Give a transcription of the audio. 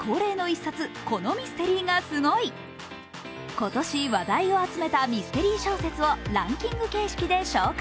今年話題を集めたミステリー小説をランキング形式で紹介。